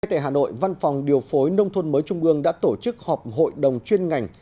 tại hà nội văn phòng điều phối nông thôn mới trung ương đã tổ chức họp hội đồng chuyên ngành